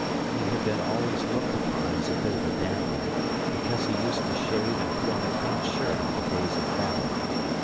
He had been always looked upon as a bit of a dandy, because he used to shave and put on a clean shirt on the days of battle.